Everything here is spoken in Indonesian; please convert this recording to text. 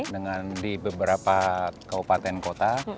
dengan di beberapa kabupaten kota